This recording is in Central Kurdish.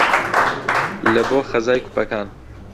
لە بۆ خەزای کوپەکان